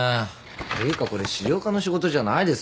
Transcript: ていうかこれ資料課の仕事じゃないですよね。